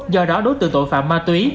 do đó đối tượng tội phạm ma túy